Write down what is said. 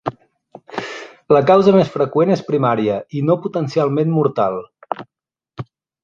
La causa més freqüent és primària i no potencialment mortal.